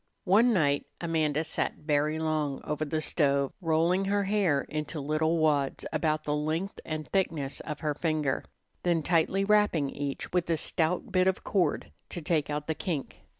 One night Amanda sat very long over the stove rolling her hair into little wads about the length and thickness of her finger, then tightly wrapping each with a stout bit of cord to take out the kink.